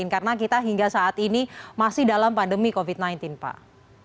karena kita hingga saat ini masih dalam pandemi covid sembilan belas pak